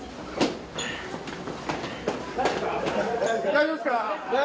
大丈夫ですか？